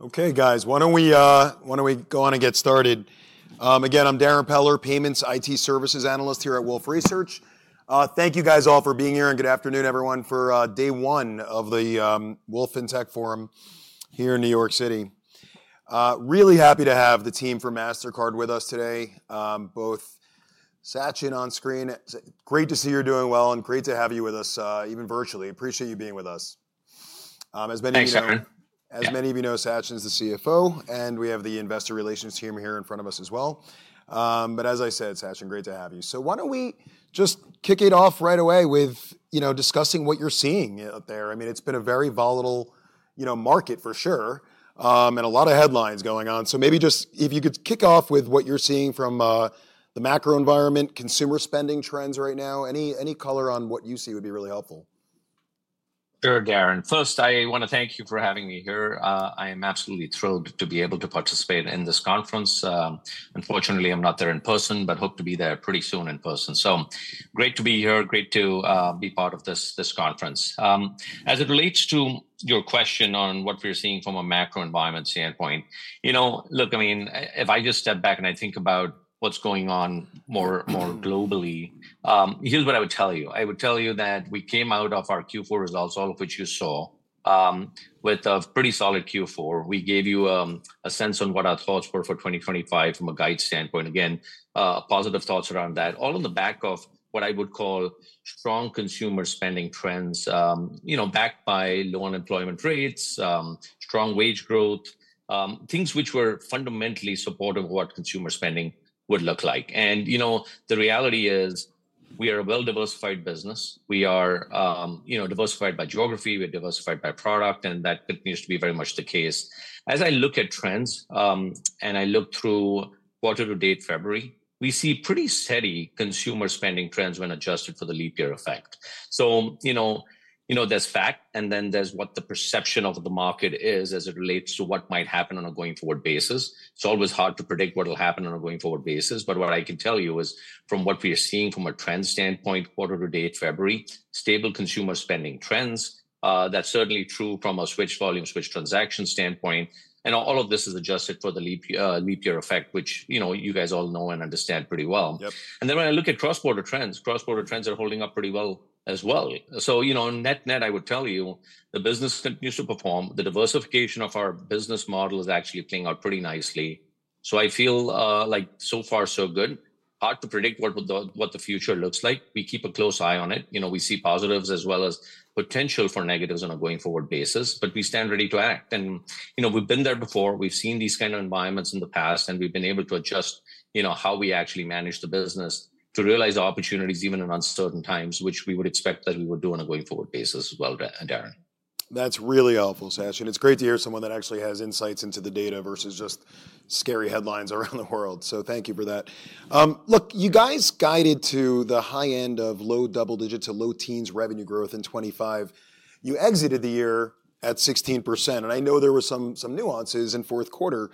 Okay, guys, why don't we go on and get started. Again, I'm Darrin Peller, Payments IT Services Analyst here at Wolfe Research. Thank you, guys, all for being here, and good afternoon, everyone, for day one of the Wolfe FinTech Forum here in New York City. Really happy to have the team from Mastercard with us today, both Sachin on screen. Great to see you're doing well, and great to have you with us, even virtually. Appreciate you being with us. As many of you know, Sachin is the CFO, and we have the investor relations team here in front of us as well. As I said, Sachin, great to have you. Why don't we just kick it off right away with discussing what you're seeing out there? I mean, it's been a very volatile market, for sure, and a lot of headlines going on. Maybe just if you could kick off with what you're seeing from the macro environment, consumer spending trends right now, any color on what you see would be really helpful. Sure, Darrin. First, I want to thank you for having me here. I am absolutely thrilled to be able to participate in this conference. Unfortunately, I'm not there in person, but hope to be there pretty soon in person. Great to be here, great to be part of this conference. As it relates to your question on what we're seeing from a macro environment standpoint, look, I mean, if I just step back and I think about what's going on more globally, here's what I would tell you. I would tell you that we came out of our Q4 results, all of which you saw, with a pretty solid Q4. We gave you a sense on what our thoughts were for 2025 from a guide standpoint, again, positive thoughts around that, all on the back of what I would call strong consumer spending trends, backed by low unemployment rates, strong wage growth, things which were fundamentally supportive of what consumer spending would look like. The reality is we are a well-diversified business. We are diversified by geography. We're diversified by product, and that continues to be very much the case. As I look at trends, and I look through quarter to date, February, we see pretty steady consumer spending trends when adjusted for the leap year effect. There is fact, and then there is what the perception of the market is as it relates to what might happen on a going-forward basis. It's always hard to predict what will happen on a going-forward basis, but what I can tell you is from what we are seeing from a trend standpoint, quarter to date, February, stable consumer spending trends. That's certainly true from a switch volume, switch transaction standpoint. All of this is adjusted for the leap year effect, which you guys all know and understand pretty well. When I look at cross-border trends, cross-border trends are holding up pretty well as well. Net-net, I would tell you, the business continues to perform. The diversification of our business model is actually playing out pretty nicely. I feel like so far, so good. Hard to predict what the future looks like. We keep a close eye on it. We see positives as well as potential for negatives on a going-forward basis, but we stand ready to act. We have been there before. We have seen these kinds of environments in the past, and we have been able to adjust how we actually manage the business to realize opportunities even in uncertain times, which we would expect that we would do on a going-forward basis as well, Darrin. That's really helpful, Sachin. It's great to hear someone that actually has insights into the data versus just scary headlines around the world. Thank you for that. Look, you guys guided to the high end of low double-digit to low teens revenue growth in 2025. You exited the year at 16%, and I know there were some nuances in fourth quarter.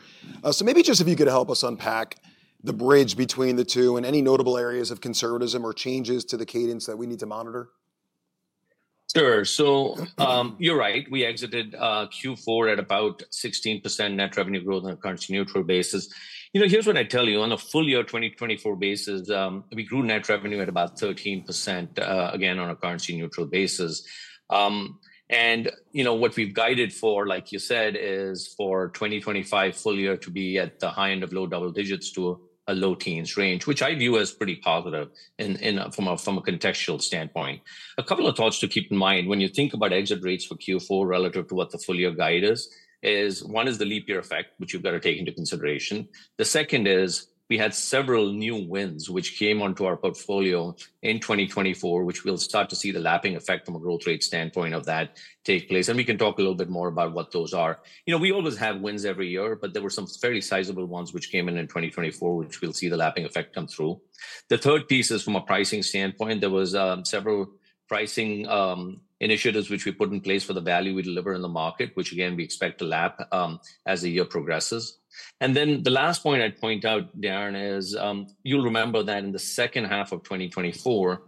Maybe just if you could help us unpack the bridge between the two and any notable areas of conservatism or changes to the cadence that we need to monitor. Sure. You're right. We exited Q4 at about 16% net revenue growth on a currency neutral basis. Here's what I tell you. On a full year 2024 basis, we grew net revenue at about 13%, again, on a currency neutral basis. What we've guided for, like you said, is for 2025 full year to be at the high end of low double digits to a low teens range, which I view as pretty positive from a contextual standpoint. A couple of thoughts to keep in mind. When you think about exit rates for Q4 relative to what the full year guide is, one is the leap year effect, which you've got to take into consideration. The second is we had several new wins which came onto our portfolio in 2024, which we'll start to see the lapping effect from a growth rate standpoint of that take place. We can talk a little bit more about what those are. We always have wins every year, but there were some fairly sizable ones which came in in 2024, which we will see the lapping effect come through. The third piece is from a pricing standpoint. There were several pricing initiatives which we put in place for the value we deliver in the market, which again, we expect to lap as the year progresses. The last point I would point out, Darrin, is you will remember that in the second half of 2024,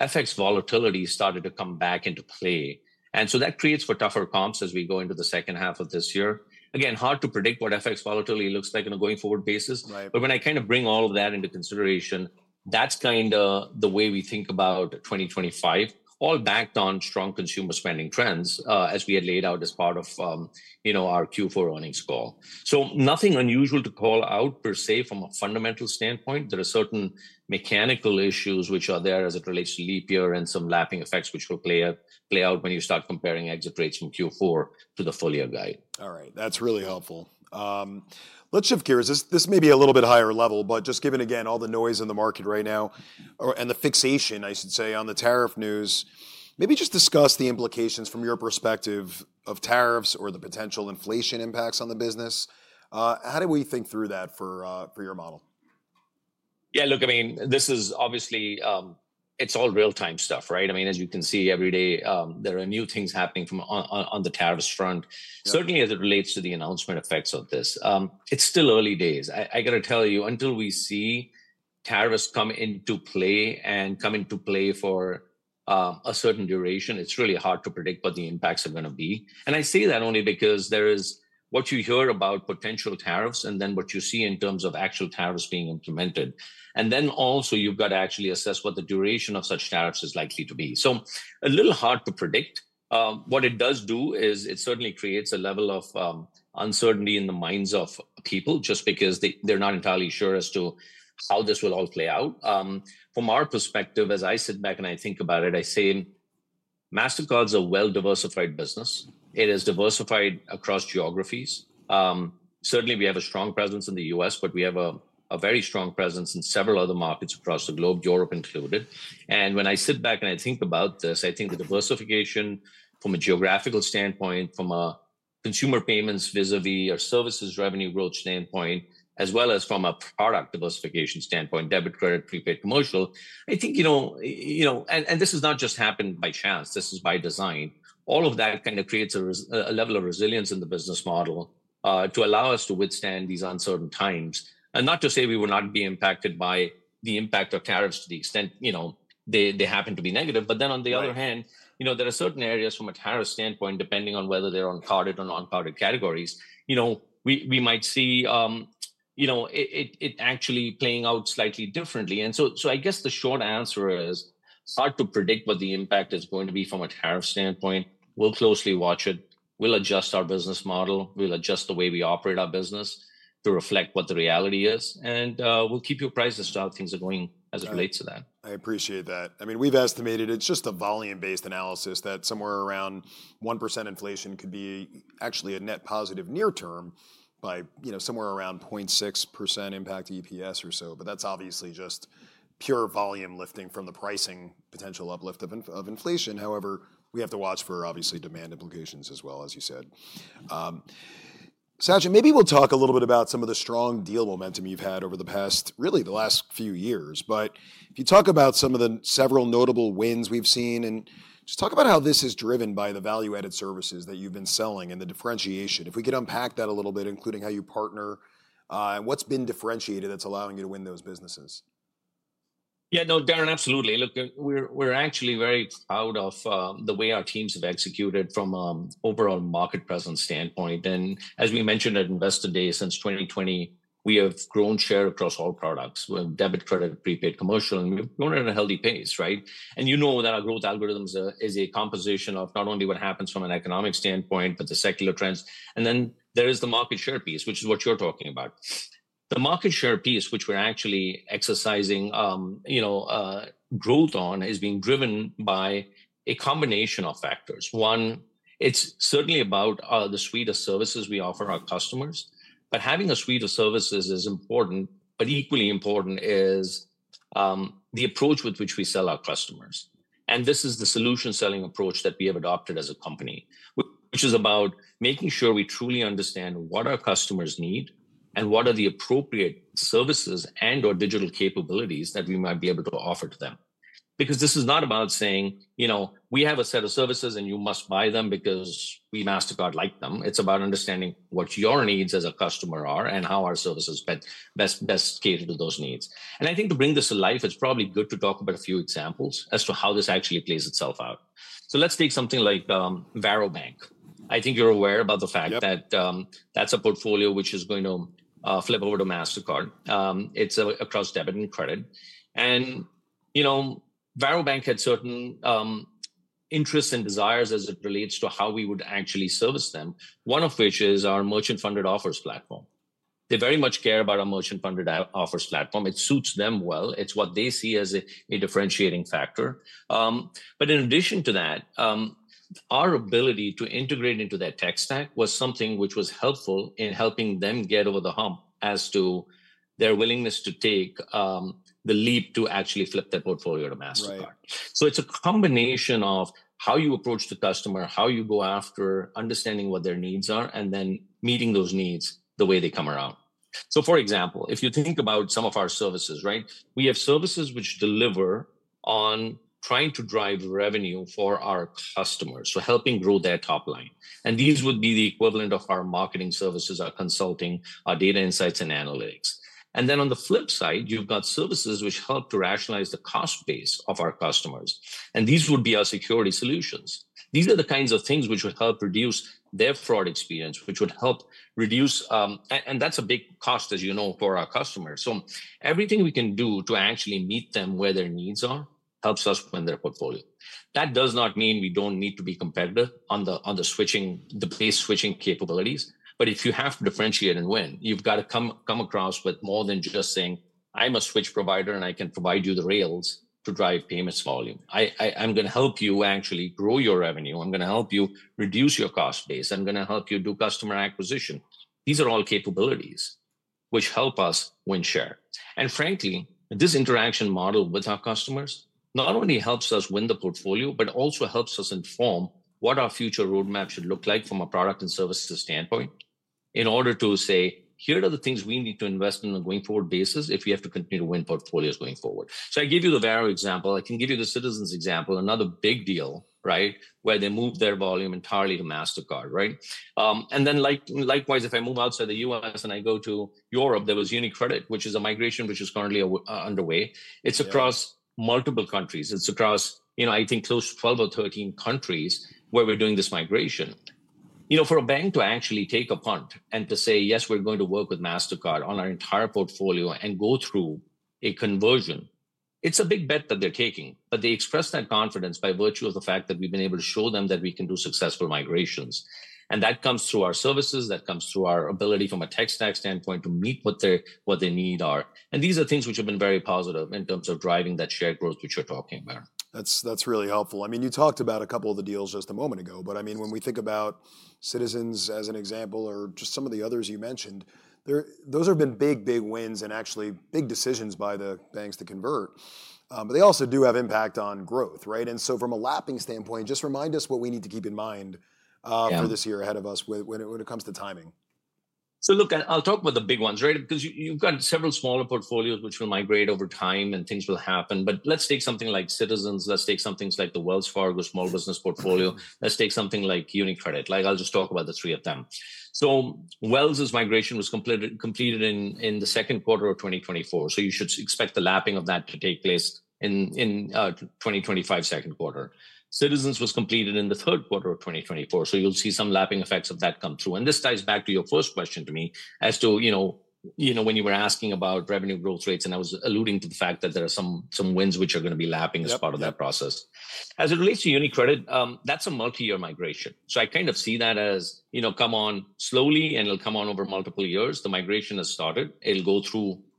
FX volatility started to come back into play. That creates for tougher comps as we go into the second half of this year. Again, hard to predict what FX volatility looks like on a going-forward basis. When I kind of bring all of that into consideration, that's kind of the way we think about 2025, all backed on strong consumer spending trends as we had laid out as part of our Q4 earnings call. Nothing unusual to call out per se from a fundamental standpoint. There are certain mechanical issues which are there as it relates to leap year and some lapping effects which will play out when you start comparing exit rates from Q4 to the full year guide. All right. That's really helpful. Let's shift gears. This may be a little bit higher level, but just given, again, all the noise in the market right now and the fixation, I should say, on the tariff news, maybe just discuss the implications from your perspective of tariffs or the potential inflation impacts on the business. How do we think through that for your model? Yeah, look, I mean, this is obviously it's all real-time stuff, right? I mean, as you can see every day, there are new things happening on the tariffs front, certainly as it relates to the announcement effects of this. It's still early days. I got to tell you, until we see tariffs come into play and come into play for a certain duration, it's really hard to predict what the impacts are going to be. I say that only because there is what you hear about potential tariffs and then what you see in terms of actual tariffs being implemented. You have to actually assess what the duration of such tariffs is likely to be. A little hard to predict. What it does do is it certainly creates a level of uncertainty in the minds of people just because they're not entirely sure as to how this will all play out. From our perspective, as I sit back and I think about it, I say Mastercard's a well-diversified business. It is diversified across geographies. Certainly, we have a strong presence in the U.S., but we have a very strong presence in several other markets across the globe, Europe included. When I sit back and I think about this, I think the diversification from a geographical standpoint, from a consumer payments vis-à-vis our services revenue growth standpoint, as well as from a product diversification standpoint, debit, credit, prepaid, commercial, I think, and this has not just happened by chance. This is by design. All of that kind of creates a level of resilience in the business model to allow us to withstand these uncertain times. Not to say we will not be impacted by the impact of tariffs to the extent they happen to be negative. On the other hand, there are certain areas from a tariff standpoint, depending on whether they're on carded or non-carded categories, we might see it actually playing out slightly differently. I guess the short answer is hard to predict what the impact is going to be from a tariff standpoint. We'll closely watch it. We'll adjust our business model. We'll adjust the way we operate our business to reflect what the reality is. We'll keep you apprised as to how things are going as it relates to that. I appreciate that. I mean, we've estimated it's just a volume-based analysis that somewhere around 1% inflation could be actually a net positive near-term by somewhere around 0.6% impact EPS or so. That is obviously just pure volume lifting from the pricing potential uplift of inflation. However, we have to watch for obviously demand implications as well, as you said. Sachin, maybe we'll talk a little bit about some of the strong deal momentum you've had over the past, really the last few years. If you talk about some of the several notable wins we've seen and just talk about how this is driven by the value-added services that you've been selling and the differentiation. If we could unpack that a little bit, including how you partner and what's been differentiated that's allowing you to win those businesses. Yeah, no, Darrin, absolutely. Look, we're actually very proud of the way our teams have executed from an overall market presence standpoint. As we mentioned at Investor Day, since 2020, we have grown share across all products, debit, credit, prepaid, commercial, and we've grown at a healthy pace, right? You know that our growth algorithms is a composition of not only what happens from an economic standpoint, but the secular trends. There is the market share piece, which is what you're talking about. The market share piece, which we're actually exercising growth on, is being driven by a combination of factors. One, it's certainly about the suite of services we offer our customers. Having a suite of services is important, but equally important is the approach with which we sell our customers. This is the solution selling approach that we have adopted as a company, which is about making sure we truly understand what our customers need and what are the appropriate services and/or digital capabilities that we might be able to offer to them. Because this is not about saying, "We have a set of services and you must buy them because we Mastercard like them." It is about understanding what your needs as a customer are and how our services best cater to those needs. I think to bring this to life, it is probably good to talk about a few examples as to how this actually plays itself out. Let's take something like Varo Bank. I think you are aware about the fact that that is a portfolio which is going to flip over to Mastercard. It is across debit and credit. Varo Bank had certain interests and desires as it relates to how we would actually service them, one of which is our merchant-funded offers platform. They very much care about our merchant-funded offers platform. It suits them well. It's what they see as a differentiating factor. In addition to that, our ability to integrate into their tech stack was something which was helpful in helping them get over the hump as to their willingness to take the leap to actually flip their portfolio to Mastercard. It's a combination of how you approach the customer, how you go after understanding what their needs are, and then meeting those needs the way they come around. For example, if you think about some of our services, right, we have services which deliver on trying to drive revenue for our customers, so helping grow their top line. These would be the equivalent of our marketing services, our consulting, our data insights, and analytics. On the flip side, you've got services which help to rationalize the cost base of our customers. These would be our security solutions. These are the kinds of things which would help reduce their fraud experience, which would help reduce, and that's a big cost, as you know, for our customers. Everything we can do to actually meet them where their needs are helps us win their portfolio. That does not mean we don't need to be competitive on the place switching capabilities. If you have to differentiate and win, you've got to come across with more than just saying, "I'm a switch provider and I can provide you the rails to drive payments volume. I'm going to help you actually grow your revenue. I'm going to help you reduce your cost base. I'm going to help you do customer acquisition. These are all capabilities which help us win share. Frankly, this interaction model with our customers not only helps us win the portfolio, but also helps us inform what our future roadmap should look like from a product and services standpoint in order to say, "Here are the things we need to invest in on a going-forward basis if we have to continue to win portfolios going forward." I gave you the Varo example. I can give you the Citizens example, another big deal, right, where they moved their volume entirely to Mastercard, right? Likewise, if I move outside the U.S. and I go to Europe, there was UniCredit, which is a migration which is currently underway. It's across multiple countries. It's across, I think, close to 12 or 13 countries where we're doing this migration. For a bank to actually take a punt and to say, "Yes, we're going to work with Mastercard on our entire portfolio and go through a conversion," it's a big bet that they're taking. They express that confidence by virtue of the fact that we've been able to show them that we can do successful migrations. That comes through our services. That comes through our ability from a tech stack standpoint to meet what their needs are. These are things which have been very positive in terms of driving that shared growth which you're talking about. That's really helpful. I mean, you talked about a couple of the deals just a moment ago. I mean, when we think about Citizens as an example or just some of the others you mentioned, those have been big, big wins and actually big decisions by the banks to convert. They also do have impact on growth, right? From a lapping standpoint, just remind us what we need to keep in mind for this year ahead of us when it comes to timing. Look, I'll talk about the big ones, right? Because you've got several smaller portfolios which will migrate over time and things will happen. Let's take something like Citizens. Let's take some things like the Wells Fargo small business portfolio. Let's take something like UniCredit. I'll just talk about the three of them. Wells' migration was completed in the second quarter of 2024. You should expect the lapping of that to take place in 2025 second quarter. Citizens was completed in the third quarter of 2024. You'll see some lapping effects of that come through. This ties back to your first question to me as to when you were asking about revenue growth rates and I was alluding to the fact that there are some wins which are going to be lapping as part of that process. As it relates to UniCredit, that's a multi-year migration. I kind of see that as come on slowly and it'll come on over multiple years. The migration has started. It'll go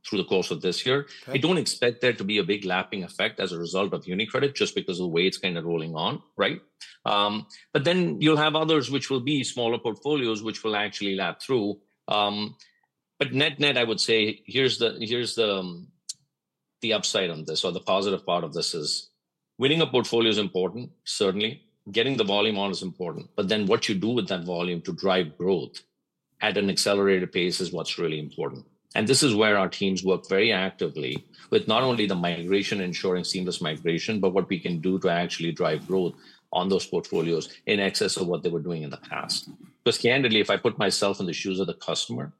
through the course of this year. I don't expect there to be a big lapping effect as a result of UniCredit just because of the way it's kind of rolling on, right? You will have others which will be smaller portfolios which will actually lap through. Net, net, I would say here's the upside on this or the positive part of this is winning a portfolio is important, certainly. Getting the volume on is important. What you do with that volume to drive growth at an accelerated pace is what's really important. This is where our teams work very actively with not only the migration ensuring seamless migration, but what we can do to actually drive growth on those portfolios in excess of what they were doing in the past. Because candidly, if I put myself in the shoes of the customer,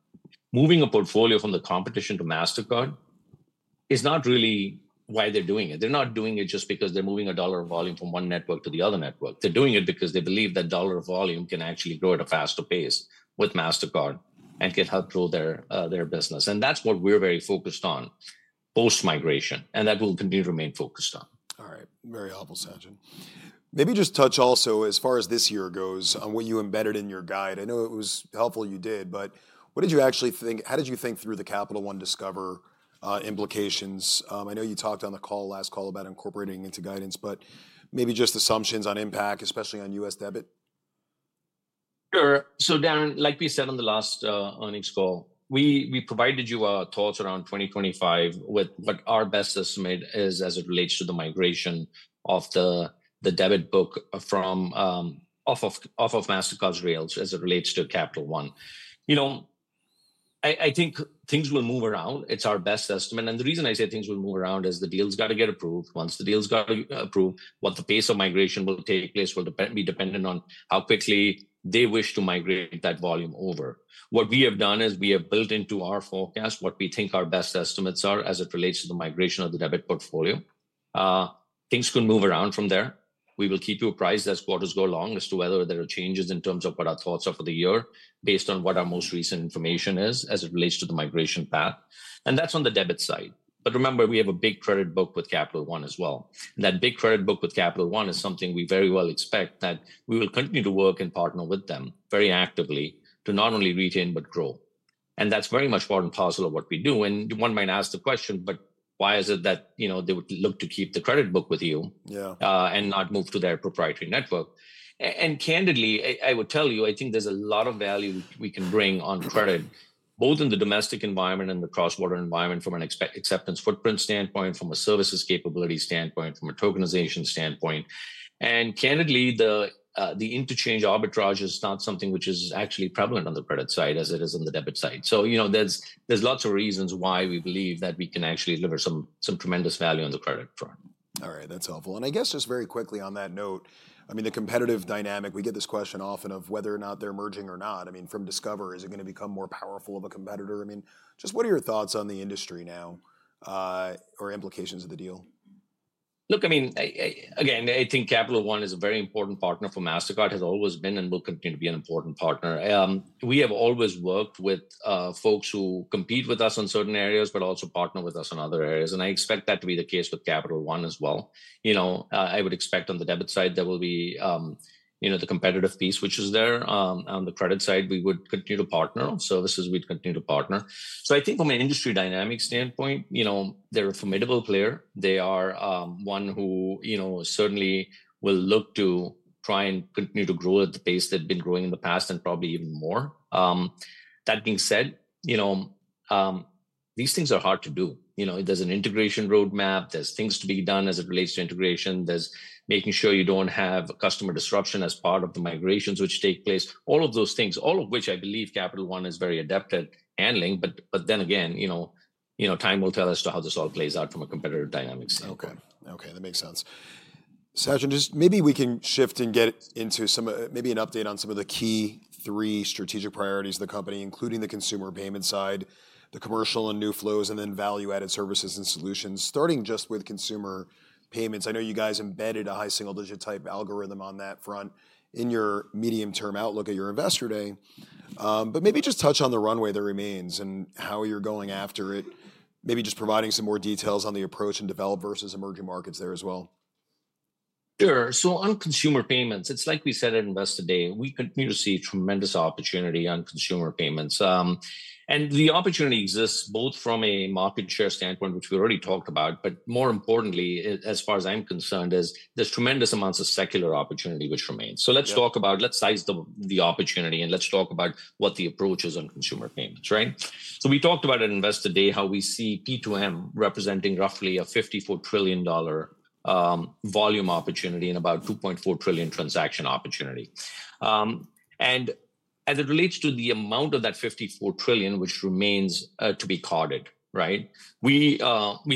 moving a portfolio from the competition to Mastercard is not really why they're doing it. They're not doing it just because they're moving a dollar of volume from one network to the other network. They're doing it because they believe that dollar of volume can actually grow at a faster pace with Mastercard and can help grow their business. That's what we're very focused on post-migration. That will continue to remain focused on. All right. Very helpful, Sachin. Maybe just touch also as far as this year goes on what you embedded in your guide. I know it was helpful you did, but what did you actually think? How did you think through the Capital One Discover implications? I know you talked on the last call about incorporating into guidance, but maybe just assumptions on impact, especially on U.S. debit. Sure. Darrin, like we said on the last earnings call, we provided you our thoughts around 2025 with what our best estimate is as it relates to the migration of the debit book off of Mastercard's rails as it relates to Capital One. I think things will move around. It's our best estimate. The reason I say things will move around is the deal's got to get approved. Once the deal's got to be approved, what the pace of migration will take place will be dependent on how quickly they wish to migrate that volume over. What we have done is we have built into our forecast what we think our best estimates are as it relates to the migration of the debit portfolio. Things could move around from there. We will keep you apprised as quarters go along as to whether there are changes in terms of what our thoughts are for the year based on what our most recent information is as it relates to the migration path. That is on the debit side. Remember, we have a big credit book with Capital One as well. That big credit book with Capital One is something we very well expect that we will continue to work and partner with them very actively to not only retain but grow. That is very much part and parcel of what we do. One might ask the question, why is it that they would look to keep the credit book with you and not move to their proprietary network? Candidly, I would tell you, I think there's a lot of value we can bring on credit, both in the domestic environment and the cross-border environment from an acceptance footprint standpoint, from a services capability standpoint, from a tokenization standpoint. Candidly, the interchange arbitrage is not something which is actually prevalent on the credit side as it is on the debit side. There are lots of reasons why we believe that we can actually deliver some tremendous value on the credit front. All right. That's helpful. I guess just very quickly on that note, I mean, the competitive dynamic, we get this question often of whether or not they're merging or not. I mean, from Discover, is it going to become more powerful of a competitor? I mean, just what are your thoughts on the industry now or implications of the deal? Look, I mean, again, I think Capital One is a very important partner for Mastercard, has always been and will continue to be an important partner. We have always worked with folks who compete with us on certain areas, but also partner with us on other areas. I expect that to be the case with Capital One as well. I would expect on the debit side there will be the competitive piece which is there. On the credit side, we would continue to partner. On services, we'd continue to partner. I think from an industry dynamic standpoint, they're a formidable player. They are one who certainly will look to try and continue to grow at the pace they've been growing in the past and probably even more. That being said, these things are hard to do. There's an integration roadmap. There's things to be done as it relates to integration. There's making sure you don't have customer disruption as part of the migrations which take place, all of those things, all of which I believe Capital One is very adept at handling. Time will tell us how this all plays out from a competitive dynamic standpoint. Okay. Okay. That makes sense. Sachin, just maybe we can shift and get into maybe an update on some of the key three strategic priorities of the company, including the consumer payment side, the commercial and new flows, and then Value-Added Services and Solutions, starting just with consumer payments. I know you guys embedded a high single-digit type algorithm on that front in your medium-term outlook at your investor day. Maybe just touch on the runway that remains and how you're going after it, maybe just providing some more details on the approach and develop versus emerging markets there as well. Sure. On consumer payments, like we said at Investor Day, we continue to see tremendous opportunity on consumer payments. The opportunity exists both from a market share standpoint, which we already talked about, but more importantly, as far as I'm concerned, there's tremendous amounts of secular opportunity which remains. Let's size the opportunity and talk about what the approach is on consumer payments, right? We talked about at Investor Day how we see P2M representing roughly a $54 trillion volume opportunity and about $2.4 trillion transaction opportunity. As it relates to the amount of that $54 trillion which remains to be carded, we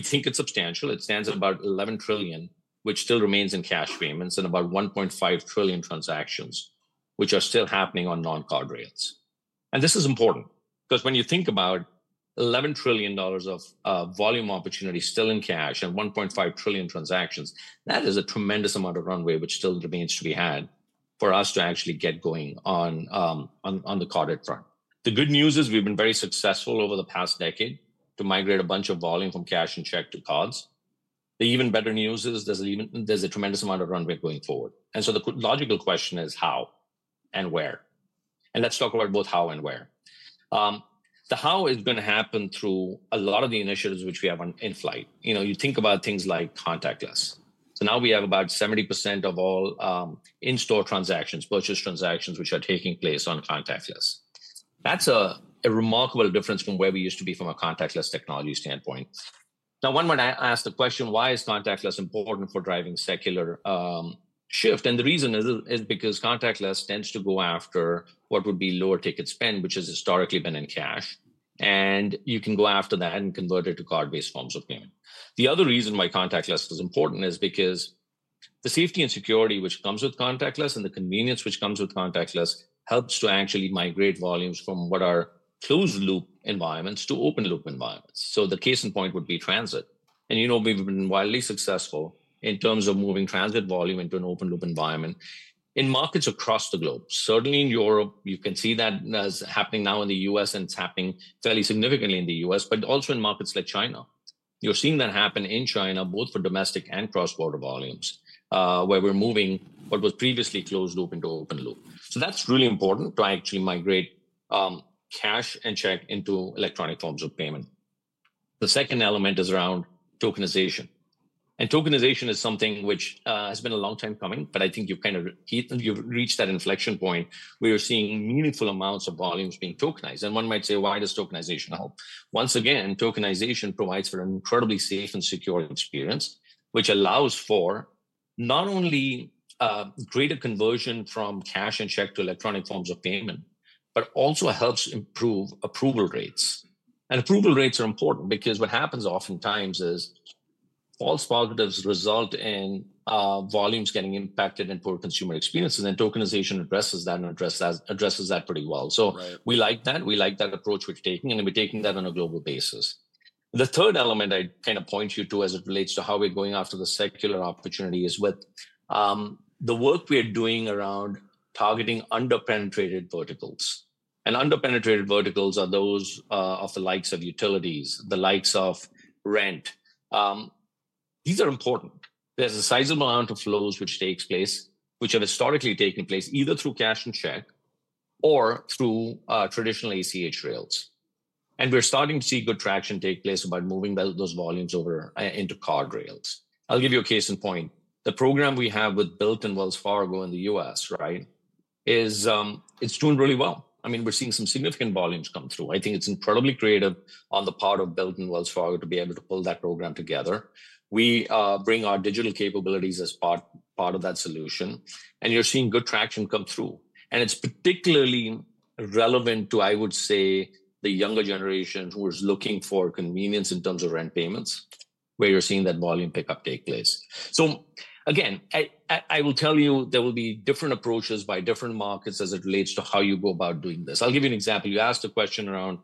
think it's substantial. It stands at about $11 trillion, which still remains in cash payments, and about $1.5 trillion transactions, which are still happening on non-card rails. This is important because when you think about $11 trillion of volume opportunity still in cash and $1.5 trillion transactions, that is a tremendous amount of runway which still remains to be had for us to actually get going on the carded front. The good news is we've been very successful over the past decade to migrate a bunch of volume from cash and check to cards. The even better news is there's a tremendous amount of runway going forward. The logical question is how and where. Let's talk about both how and where. The how is going to happen through a lot of the initiatives which we have in flight. You think about things like contactless. Now we have about 70% of all in-store transactions, purchase transactions which are taking place on contactless. That's a remarkable difference from where we used to be from a contactless technology standpoint. Now, when I asked the question, why is contactless important for driving secular shift? The reason is because contactless tends to go after what would be lower ticket spend, which has historically been in cash. You can go after that and convert it to card-based forms of payment. The other reason why contactless is important is because the safety and security which comes with contactless and the convenience which comes with contactless helps to actually migrate volumes from what are closed-loop environments to open-loop environments. The case in point would be transit. We have been wildly successful in terms of moving transit volume into an open-loop environment in markets across the globe. Certainly in Europe, you can see that as happening now in the U.S., and it's happening fairly significantly in the U.S., but also in markets like China. You're seeing that happen in China, both for domestic and cross-border volumes, where we're moving what was previously closed-loop into open-loop. That is really important to actually migrate cash and check into electronic forms of payment. The second element is around tokenization. Tokenization is something which has been a long time coming, but I think you've kind of reached that inflection point where you're seeing meaningful amounts of volumes being tokenized. One might say, why does tokenization help? Once again, tokenization provides for an incredibly safe and secure experience, which allows for not only greater conversion from cash and check to electronic forms of payment, but also helps improve approval rates. Approval rates are important because what happens oftentimes is false positives result in volumes getting impacted and poor consumer experiences. Tokenization addresses that and addresses that pretty well. We like that. We like that approach we're taking. We're taking that on a global basis. The third element I'd kind of point you to as it relates to how we're going after the secular opportunity is with the work we're doing around targeting underpenetrated verticals. Underpenetrated verticals are those of the likes of utilities, the likes of rent. These are important. There's a sizable amount of flows which takes place which have historically taken place either through cash and check or through traditional ACH rails. We're starting to see good traction take place by moving those volumes over into card rails. I'll give you a case in point. The program we have with Wells Fargo in the U.S., right, it's doing really well. I mean, we're seeing some significant volumes come through. I think it's incredibly creative on the part of Wells Fargo to be able to pull that program together. We bring our digital capabilities as part of that solution. You're seeing good traction come through. It's particularly relevant to, I would say, the younger generation who is looking for convenience in terms of rent payments, where you're seeing that volume pickup take place. Again, I will tell you there will be different approaches by different markets as it relates to how you go about doing this. I'll give you an example. You asked a question around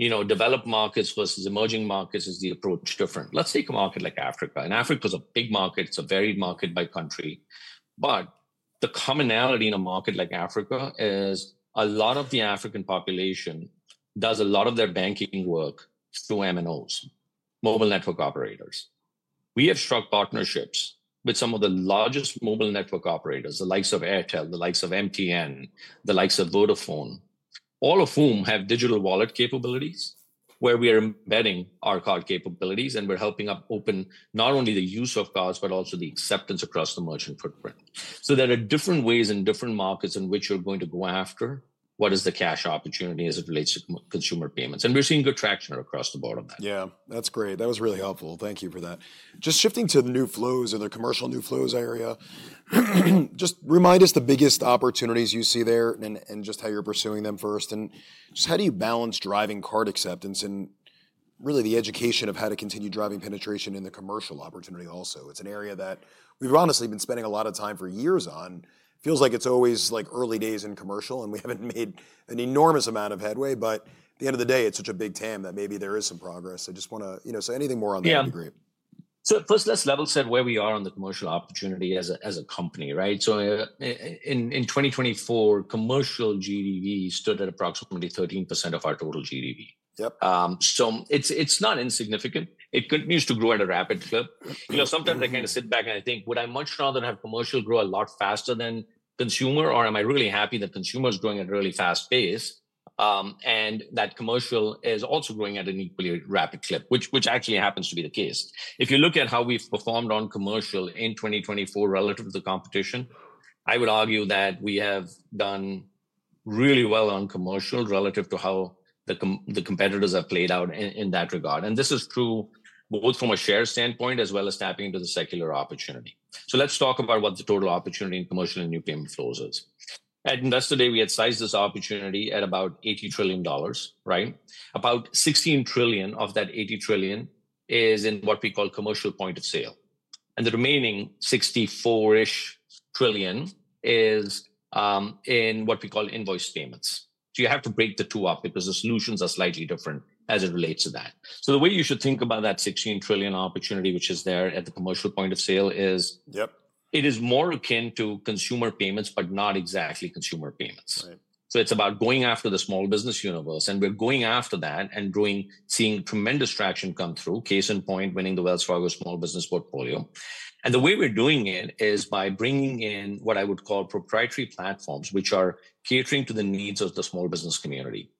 developed markets versus emerging markets, is the approach different. Let's take a market like Africa. Africa is a big market. It's a varied market by country. The commonality in a market like Africa is a lot of the African population does a lot of their banking work through MNOs, mobile network operators. We have struck partnerships with some of the largest mobile network operators, the likes of Airtel, the likes of MTN, the likes of Vodafone, all of whom have digital wallet capabilities where we are embedding our card capabilities. We're helping open not only the use of cards, but also the acceptance across the merchant footprint. There are different ways in different markets in which you're going to go after what is the cash opportunity as it relates to consumer payments. We're seeing good traction across the board on that. Yeah. That's great. That was really helpful. Thank you for that. Just shifting to the new flows and the commercial new flows area, just remind us the biggest opportunities you see there and just how you're pursuing them first. Just how do you balance driving card acceptance and really the education of how to continue driving penetration in the commercial opportunity also? It's an area that we've honestly been spending a lot of time for years on. Feels like it's always like early days in commercial, and we haven't made an enormous amount of headway. At the end of the day, it's such a big TAM that maybe there is some progress. I just want to say anything more on that would be great. Yeah. First, let's level set where we are on the commercial opportunity as a company, right? In 2024, commercial GDV stood at approximately 13% of our total GDV. It is not insignificant. It continues to grow at a rapid clip. Sometimes I kind of sit back and I think, would I much rather have commercial grow a lot faster than consumer, or am I really happy that consumer is growing at a really fast pace and that commercial is also growing at an equally rapid clip, which actually happens to be the case. If you look at how we have performed on commercial in 2024 relative to the competition, I would argue that we have done really well on commercial relative to how the competitors have played out in that regard. This is true both from a share standpoint as well as tapping into the secular opportunity. Let's talk about what the total opportunity in commercial and new payment flows is. At Investor Day, we had sized this opportunity at about $80 trillion, right? About $16 trillion of that $80 trillion is in what we call commercial point of sale. The remaining $64 trillion is in what we call invoice payments. You have to break the two up because the solutions are slightly different as it relates to that. The way you should think about that $16 trillion opportunity which is there at the commercial point of sale is it is more akin to consumer payments, but not exactly consumer payments. It's about going after the small business universe. We're going after that and seeing tremendous traction come through, case in point, winning the Wells Fargo small business portfolio. The way we're doing it is by bringing in what I would call proprietary platforms, which are catering to the needs of the small business community.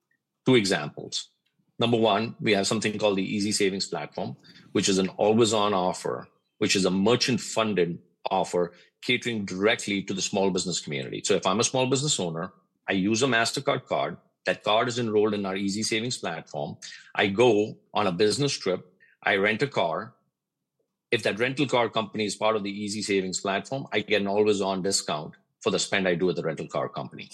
Two examples. Number one, we have something called the Easy Savings Platform, which is an always-on offer, which is a merchant-funded offer catering directly to the small business community. If I'm a small business owner, I use a Mastercard card. That card is enrolled in our Easy Savings Platform. I go on a business trip. I rent a car. If that rental car company is part of the Easy Savings Platform, I get an always-on discount for the spend I do at the rental car company.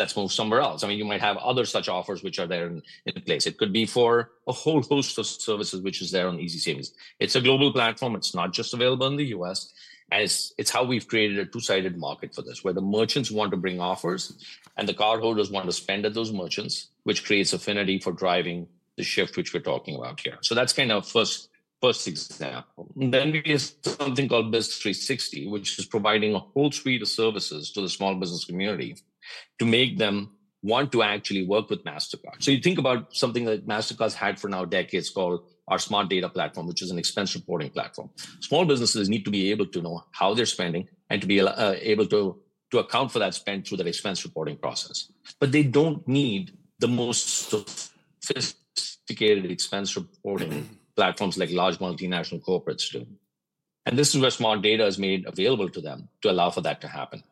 I mean, you might have other such offers which are there in place. It could be for a whole host of services which is there on Easy Savings. It's a global platform. It's not just available in the U.S.. It's how we've created a two-sided market for this where the merchants want to bring offers and the cardholders want to spend at those merchants, which creates affinity for driving the shift which we're talking about here. That's kind of first example. We have something called Biz360, which is providing a whole suite of services to the small business community to make them want to actually work with Mastercard. You think about something that Mastercard's had for now decades called our Smart Data Platform, which is an expense reporting platform. Small businesses need to be able to know how they're spending and to be able to account for that spend through that expense reporting process. They don't need the most sophisticated expense reporting platforms like large multinational corporates do. This is where Smart Data is made available to them to allow for that to happen.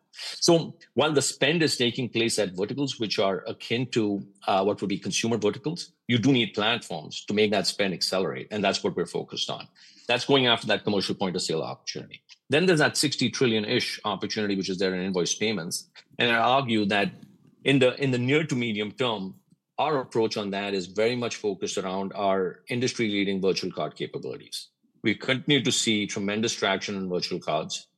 While the spend is taking place at verticals which are akin to what would be consumer verticals, you do need platforms to make that spend accelerate. That is what we're focused on. That is going after that commercial point of sale opportunity. There is that $60 trillion-ish opportunity which is there in invoice payments. I argue that in the near to medium term, our approach on that is very much focused around our industry-leading virtual card capabilities. We continue to see tremendous traction in virtual cards.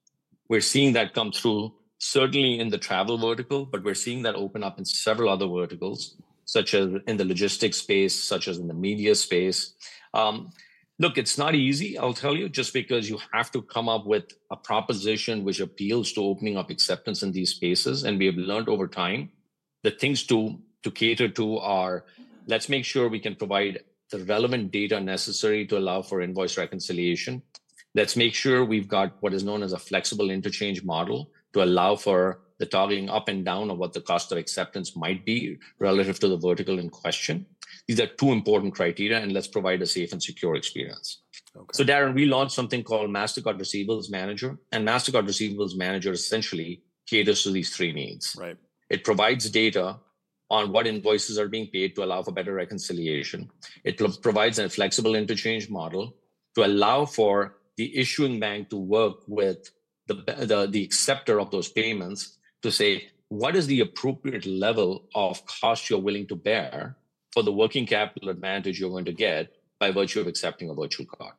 We're seeing that come through certainly in the travel vertical, but we're seeing that open up in several other verticals, such as in the logistics space, such as in the media space. Look, it's not easy, I'll tell you, just because you have to come up with a proposition which appeals to opening up acceptance in these spaces. We have learned over time that things to cater to are, let's make sure we can provide the relevant data necessary to allow for invoice reconciliation. Let's make sure we've got what is known as a flexible interchange model to allow for the toggling up and down of what the cost of acceptance might be relative to the vertical in question. These are two important criteria, and let's provide a safe and secure experience. Darrin, we launched something called Mastercard Receivables Manager. Mastercard Receivables Manager essentially caters to these three needs. It provides data on what invoices are being paid to allow for better reconciliation. It provides a flexible interchange model to allow for the issuing bank to work with the acceptor of those payments to say, what is the appropriate level of cost you're willing to bear for the working capital advantage you're going to get by virtue of accepting a virtual card?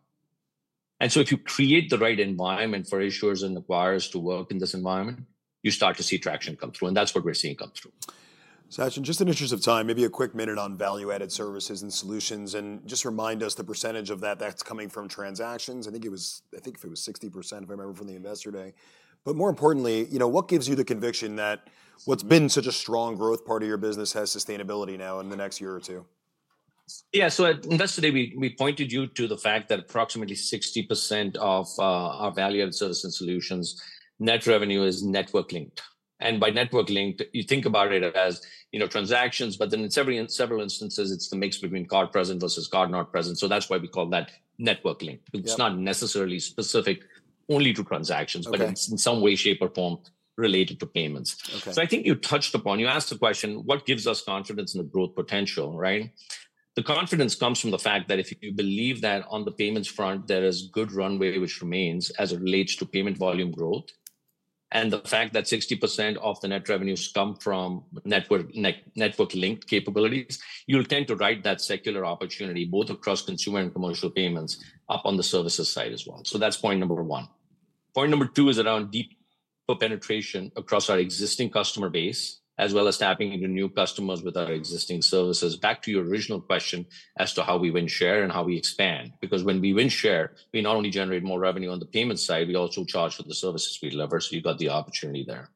If you create the right environment for issuers and acquirers to work in this environment, you start to see traction come through. That is what we're seeing come through. Sachin, just in interest of time, maybe a quick minute on value-added services and solutions. Just remind us the percentage of that that's coming from transactions. I think it was, I think if it was 60%, if I remember from the Investor Day. More importantly, what gives you the conviction that what's been such a strong growth part of your business has sustainability now in the next year or two? Yeah. At Investor Day, we pointed you to the fact that approximately 60% of our value-added services and solutions net revenue is network-linked. By network-linked, you think about it as transactions, but then in several instances, it is the mix between card present versus card not present. That is why we call that network-linked. It is not necessarily specific only to transactions, but it is in some way, shape, or form related to payments. I think you touched upon, you asked the question, what gives us confidence in the growth potential, right? The confidence comes from the fact that if you believe that on the payments front, there is good runway which remains as it relates to payment volume growth. The fact that 60% of the net revenues come from network-linked capabilities, you'll tend to ride that secular opportunity both across consumer and commercial payments up on the services side as well. That is point number one. Point number two is around deeper penetration across our existing customer base as well as tapping into new customers with our existing services. Back to your original question as to how we win share and how we expand. Because when we win share, we not only generate more revenue on the payment side, we also charge for the services we deliver. You have the opportunity there.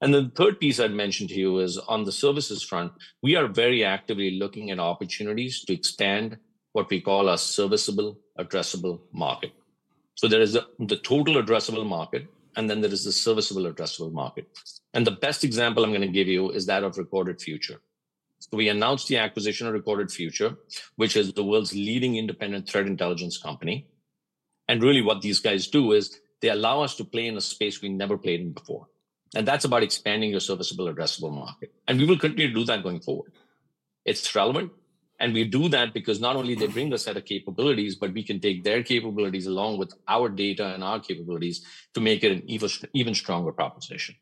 The third piece I would mention to you is on the services front, we are very actively looking at opportunities to expand what we call a serviceable, addressable market. There is the total addressable market, and then there is the serviceable, addressable market. The best example I'm going to give you is that of Recorded Future. We announced the acquisition of Recorded Future, which is the world's leading independent threat intelligence company. What these guys do is they allow us to play in a space we never played in before. That's about expanding your serviceable, addressable market. We will continue to do that going forward. It's relevant. We do that because not only do they bring us a set of capabilities, but we can take their capabilities along with our data and our capabilities to make it an even stronger proposition.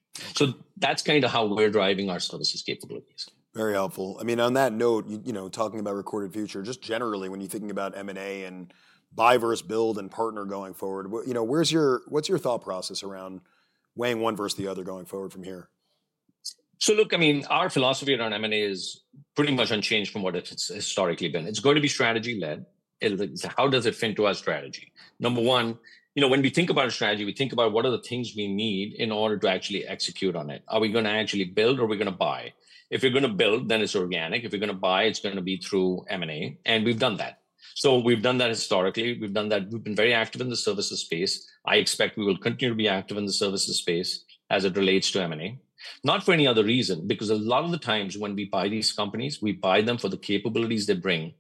That's kind of how we're driving our services capabilities. Very helpful. I mean, on that note, talking about Recorded Future, just generally when you're thinking about M&A and buy versus build and partner going forward, what's your thought process around weighing one versus the other going forward from here? Look, I mean, our philosophy around M&A is pretty much unchanged from what it has historically been. It is going to be strategy-led. How does it fit into our strategy? Number one, when we think about a strategy, we think about what are the things we need in order to actually execute on it. Are we going to actually build, or are we going to buy? If you are going to build, then it is organic. If you are going to buy, it is going to be through M&A. We have done that. We have done that historically. We have done that. We have been very active in the services space. I expect we will continue to be active in the services space as it relates to M&A. Not for any other reason, because a lot of the times when we buy these companies, we buy them for the capabilities they bring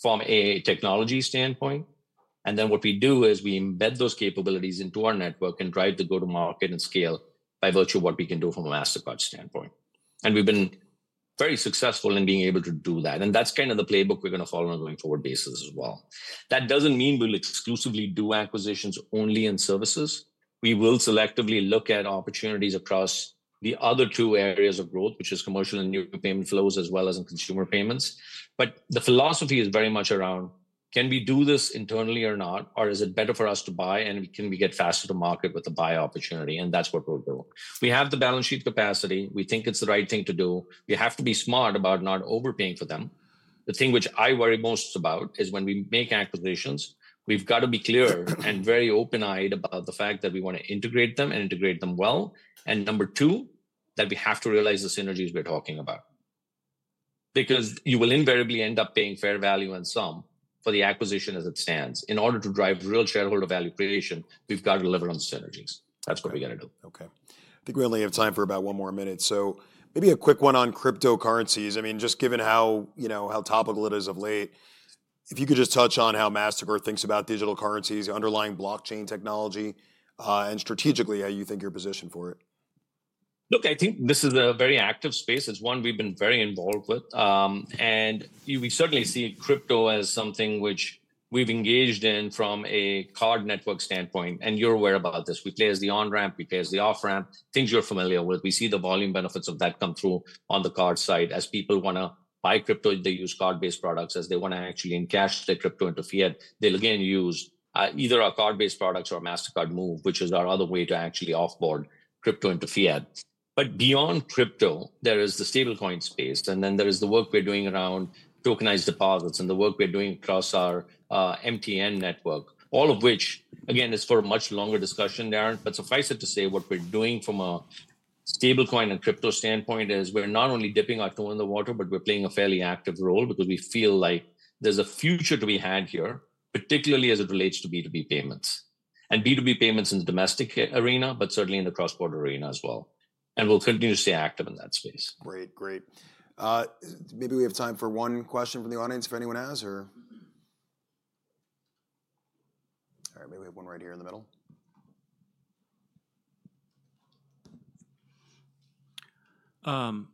from a technology standpoint. What we do is we embed those capabilities into our network and drive the go-to-market and scale by virtue of what we can do from a Mastercard standpoint. We have been very successful in being able to do that. That is kind of the playbook we are going to follow on a going forward basis as well. That does not mean we will exclusively do acquisitions only in services. We will selectively look at opportunities across the other two areas of growth, which is commercial and new payment flows as well as in consumer payments. The philosophy is very much around, can we do this internally or not, or is it better for us to buy, and can we get faster to market with the buy opportunity? That is what we will do. We have the balance sheet capacity. We think it is the right thing to do. We have to be smart about not overpaying for them. The thing which I worry most about is when we make acquisitions, we've got to be clear and very open-eyed about the fact that we want to integrate them and integrate them well. Number two, that we have to realize the synergies we're talking about. Because you will invariably end up paying fair value and some for the acquisition as it stands. In order to drive real shareholder value creation, we've got to deliver on synergies. That's what we're going to do. Okay. I think we only have time for about one more minute. Maybe a quick one on cryptocurrencies. I mean, just given how topical it is of late, if you could just touch on how Mastercard thinks about digital currencies, underlying blockchain technology, and strategically, how you think your position for it. Look, I think this is a very active space. It's one we've been very involved with. We certainly see crypto as something which we've engaged in from a card network standpoint. You're aware about this. We play as the on-ramp. We play as the off-ramp. Things you're familiar with. We see the volume benefits of that come through on the card side. As people want to buy crypto, they use card-based products. As they want to actually encash their crypto into fiat, they'll again use either our card-based products or Mastercard Move, which is our other way to actually offboard crypto into fiat. Beyond crypto, there is the stablecoin space. There is the work we're doing around tokenized deposits and the work we're doing across our MTN network, all of which, again, is for a much longer discussion, Darrin. Suffice it to say, what we're doing from a stablecoin and crypto standpoint is we're not only dipping our toe in the water, but we're playing a fairly active role because we feel like there's a future to be had here, particularly as it relates to B2B payments. B2B payments in the domestic arena, but certainly in the cross-border arena as well. We'll continue to stay active in that space. Great. Great. Maybe we have time for one question from the audience if anyone has, or all right, maybe we have one right here in the middle. How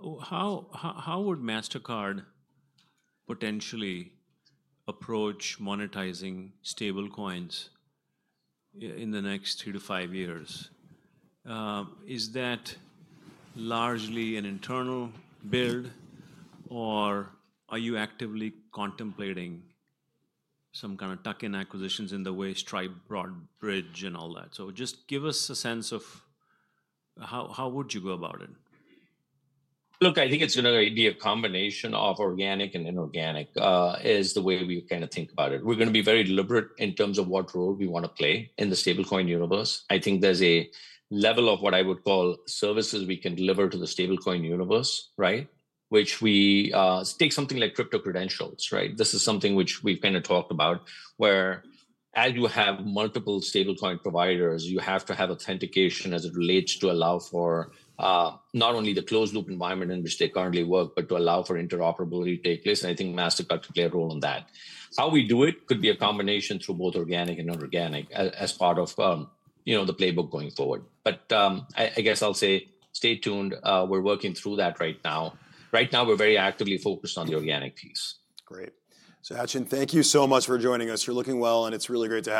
would Mastercard potentially approach monetizing stablecoins in the next three to five years? Is that largely an internal build, or are you actively contemplating some kind of tuck-in acquisitions in the way Stripe bought Bridge and all that? Just give us a sense of how would you go about it. Look, I think it's going to be a combination of organic and inorganic is the way we kind of think about it. We're going to be very deliberate in terms of what role we want to play in the stablecoin universe. I think there's a level of what I would call services we can deliver to the stablecoin universe, right, which we take something like Crypto Credential, right? This is something which we've kind of talked about where as you have multiple stablecoin providers, you have to have authentication as it relates to allow for not only the closed-loop environment in which they currently work, but to allow for interoperability to take place. I think Mastercard could play a role in that. How we do it could be a combination through both organic and inorganic as part of the playbook going forward. I guess I'll say stay tuned. We're working through that right now. Right now, we're very actively focused on the organic piece. Great. Sachin, thank you so much for joining us. You're looking well, and it's really great to have.